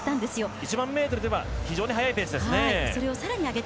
１００００ｍでは非常に速いペースですね。